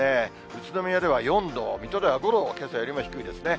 宇都宮では４度、水戸では５度、けさより低いですね。